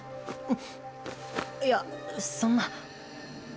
んっいやそんな。